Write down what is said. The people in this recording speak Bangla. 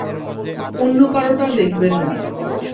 অন্য কারোটা দেখবেন না।